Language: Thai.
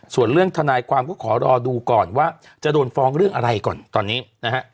ส่วนเรื่องทนายความก็ขอรอดูก่อนว่าจะโดนฟ้องเรื่องอะไรก่อนตอนนี้นะฮะ